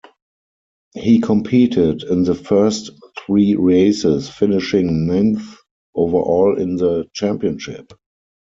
He competed in the first three races, finishing ninth overall in the championship.